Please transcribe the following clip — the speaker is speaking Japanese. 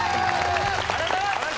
ありがとうございます！